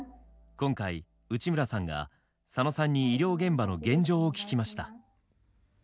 今回内村さんが佐野さんに医療現場の現状を聞きました。